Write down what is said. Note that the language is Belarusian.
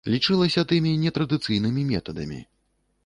Лячылася тымі нетрадыцыйнымі метадамі.